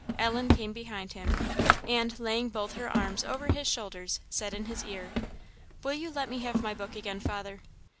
Ellen came behind him, and, laying both her arms over his shoulders, said in his ear "Will you let me have my book again, father?"